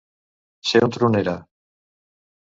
Ser un tronera.